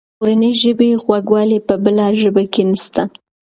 د مورنۍ ژبې خوږوالی په بله ژبه کې نسته.